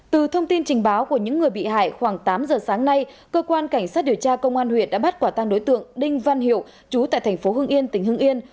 từ thông tin trình báo của những người bị hại khoảng tám giờ sáng nay cơ quan cảnh sát điều tra công an huyện đã bắt quả tăng đối tượng đinh văn hiệu chú tại thành phố hưng yên tỉnh hưng yên